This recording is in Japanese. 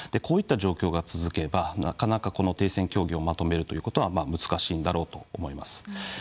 こういった状況が続けばなかなかこの停戦協議をまとめるということは難しいんだろうと思います。